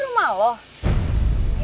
ini rumah lo